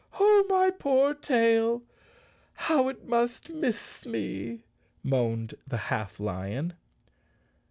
Oh, my poor tail, how it must miss me!" moaned the half lion.